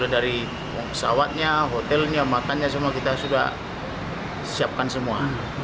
dari pesawatnya hotelnya makannya semua kita sudah siapkan semua